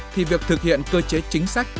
thì việc thực hiện cơ chế chính sách